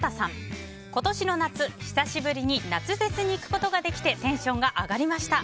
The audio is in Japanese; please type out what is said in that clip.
今年の夏、久しぶりに夏フェスに行くことができてテンションが上がりました。